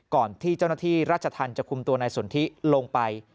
ก่อนที่เจ้าหน้าที่ราชธรรมจะคุมตัวนายสนทิลงไป